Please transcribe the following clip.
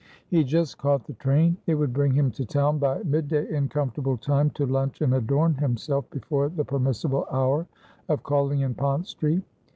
He just caught the train. It would bring him to town by mid day, in comfortable time to lunch and adorn himself before the permissible hour of calling in Pont Street.